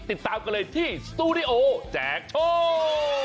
ติดตามกันเลยที่สตูดิโอแจกโชค